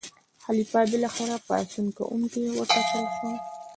خلیفه بالاخره پاڅون کوونکي وټکول.